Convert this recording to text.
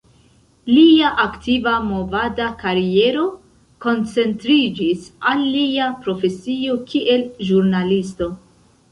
Lia aktiva movada kariero koncentriĝis al lia profesio kiel ĵurnalisto.